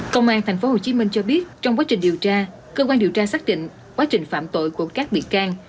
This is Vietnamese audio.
công an thành phố hồ chí minh cho biết trong quá trình điều tra cơ quan điều tra xác định quá trình phạm tội của các bị can